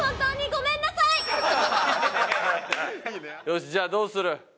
よしじゃあどうする？